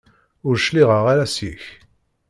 Ur cliɛeɣ ara seg-k.